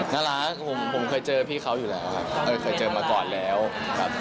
น่ารักนะครับผมเจอพี่เขาอยู่แล้วเออเคยเจอมาก่อนแล้วครับ